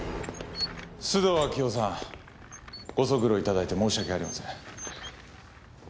須藤明代さんご足労いただいて申し訳ありません。